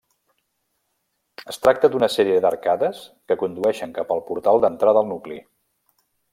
Es tracta d'una sèrie d'arcades que condueixen cap al portal d'entrada al nucli.